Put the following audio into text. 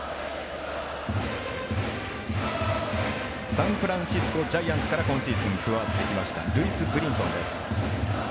サンフランシスコ・ジャイアンツから今シーズン加わってきましたルイス・ブリンソンです。